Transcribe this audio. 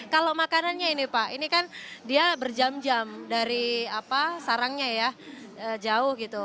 kalau makanannya ini pak ini kan dia berjam jam dari sarangnya ya jauh gitu